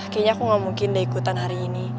kayaknya aku gak mungkin deh ikutan hari ini